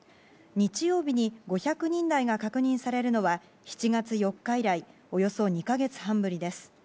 日曜日に５００人台が確認されるのは７月４日以来およそ２か月半ぶりです。